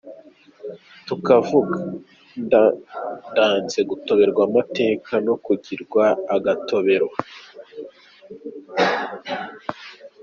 Tukavuga “ndanze gutoberwa amateka no kugirwa agatobero”.